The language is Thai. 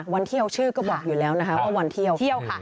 วันเที่ยวชื่อก็บอกอยู่แล้วนะคะวันเที่ยว